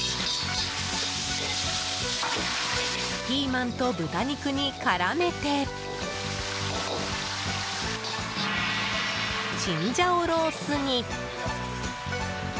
ピーマンと豚肉に絡めてチンジャオロースに。